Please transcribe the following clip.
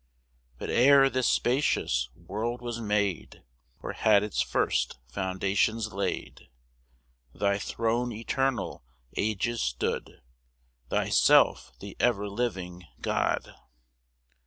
2 But ere this spacious world was made, Or had its first foundations laid, Thy throne eternal ages stood, Thyself the ever living God.